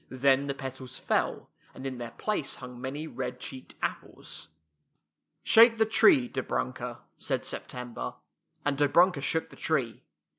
Then the petals fell, and in their place hung many red cheeked apples. " Shake the tree, Dobrunka," said Sep tember, and Dobrunka shook the tree.